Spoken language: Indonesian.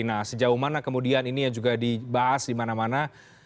nah sejauh mana kemudian ini juga dibahas dimana mana